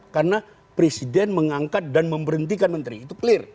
karena presiden mengangkat dan memberhentikan menteri itu clear